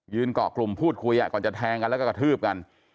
เกาะกลุ่มพูดคุยก่อนจะแทงกันแล้วก็กระทืบกัน